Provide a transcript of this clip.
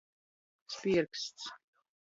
Spierksts.